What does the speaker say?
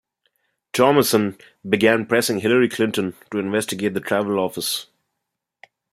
Thomason began pressing Hillary Clinton to investigate the travel office.